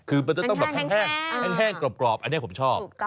คือมันจะแพ้งกรอบอันนี้ผมชอบ